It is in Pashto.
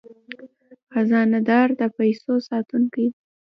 خزانه دار د پیسو ساتونکی دی